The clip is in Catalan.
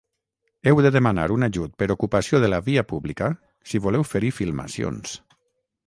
Heu de demanar un ajut per ocupació de la via pública si voleu fer-hi filmacions.